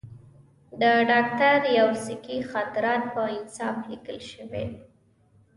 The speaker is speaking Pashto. د ډاکټر یاورسکي خاطرات په انصاف لیکل شوي.